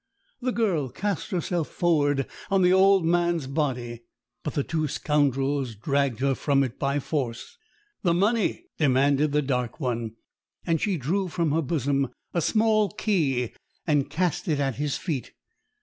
The girl cast herself forward on the old man's body, but the two scoundrels dragged her from it by force. "The money!" demanded the dark one; and she drew from her bosom a small key and cast it at his feet.